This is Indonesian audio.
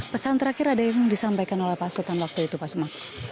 pesan terakhir ada yang disampaikan oleh pak sultan waktu itu pak sma